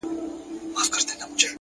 د زاړه ښار کوڅې د قدمونو حافظه لري,